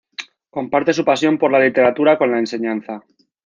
Comparte su pasión por la literatura con la enseñanza.